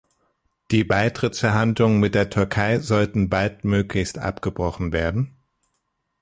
Die Beitrittsverhandlungen mit der Türkei sollten baldmöglichst abgebrochen werden.